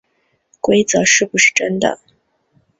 规则是不是真的